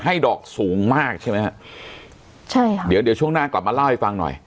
ดอกสูงมากใช่ไหมฮะใช่ค่ะเดี๋ยวเดี๋ยวช่วงหน้ากลับมาเล่าให้ฟังหน่อย